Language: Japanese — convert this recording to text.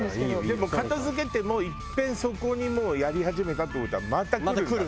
でも片付けてもいっぺんそこにもうやり始めたって事は。